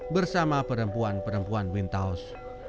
bersama perempuan perempuan wintaus